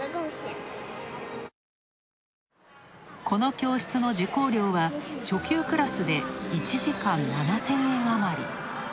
この教室の受講料は初級クラスで１時間７０００円あまり。